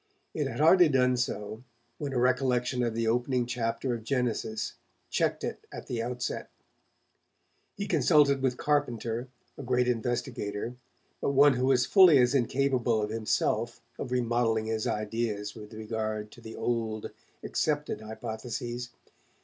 It had hardly done so, when a recollection of the opening chapter of 'Genesis' checked it at the outset. He consulted with Carpenter, a great investigator, but one who was fully as incapable as himself of remodelling his ideas with regard to the old, accepted hypotheses.